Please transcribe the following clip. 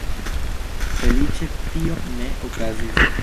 Feliĉe tio ne okazis.